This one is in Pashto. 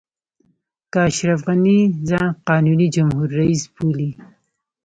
که اشرف غني ځان قانوني جمهور رئیس بولي.